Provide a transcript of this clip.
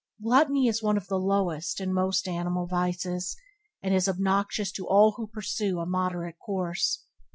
Gluttony is one of the lowest and most animal vices, and is obnoxious to all who pursue a moderate course.